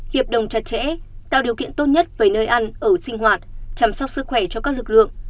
hiệp đồng chặt chẽ tạo điều kiện tốt nhất về nơi ăn ở sinh hoạt chăm sóc sức khỏe cho các lực lượng